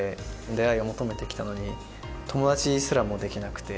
出会いを求めて来たのに友達すらもできなくて。